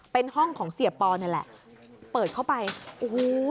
เป็นห้องของเสียปอนี่แหละเปิดเข้าไปโอ้โห